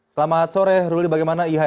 selamat sore ruli bagaimana ihai